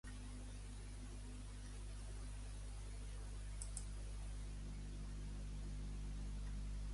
Iwo Jima es va enregistrar com a Sufre, que en espanyol antic volia dir sulfur.